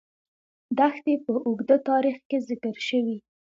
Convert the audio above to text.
دښتې په اوږده تاریخ کې ذکر شوې.